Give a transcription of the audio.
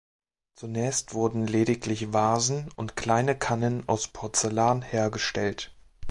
Zunächst wurden lediglich Vasen und kleine Kannen aus Porzellan hergestellt.